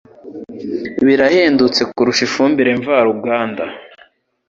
Birahendutse kuruta ifumbire mvaruganda